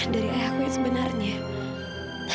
dari ayahku yang sebenarnya